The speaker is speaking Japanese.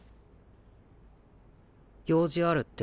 用事あるって。